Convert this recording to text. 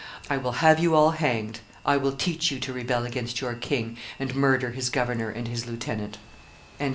I will have you all hanged; I will teach you to rebel against your king and murder his governor and his lieutenant."